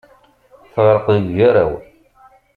Teɣreq deg ugaraw.